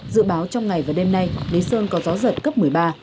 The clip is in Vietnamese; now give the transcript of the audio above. dự báo trong ngày và đêm nay lý sơn có gió giật cấp một mươi ba